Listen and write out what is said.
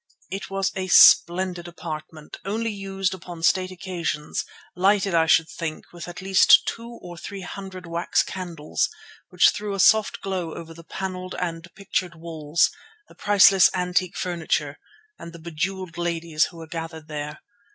It was a splendid apartment, only used upon state occasions, lighted, I should think, with at least two or three hundred wax candles, which threw a soft glow over the panelled and pictured walls, the priceless antique furniture, and the bejewelled ladies who were gathered there.